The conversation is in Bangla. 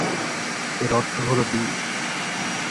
এর অর্থ হল বিষ।